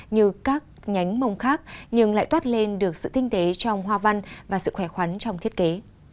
như các nhánh mông khác nhưng lại toát lên được sự tinh tế trong hoa văn và sự khỏe khoắn trong thiết kế